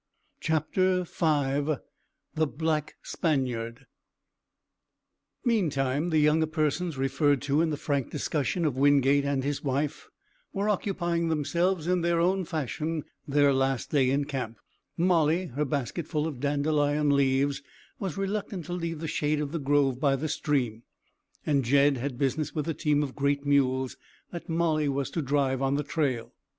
CHAPTER V THE BLACK SPANIARD Meantime the younger persons referred to in the frank discussion of Wingate and his wife were occupying themselves in their own fashion their last day in camp. Molly, her basket full of dandelion leaves, was reluctant to leave the shade of the grove by the stream, and Jed had business with the team of great mules that Molly was to drive on the trail.